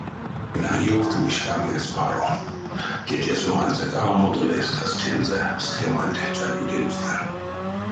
Колянень а ёвтавишка мельспаро: тетязо ансяк аламодо лездась тензэ схеманть чарькодемстэ.